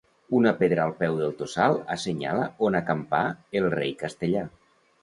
Una pedra al peu del tossal assenyala on acampà el rei castellà.